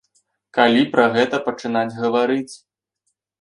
Калі пра гэта пачынаць гаварыць.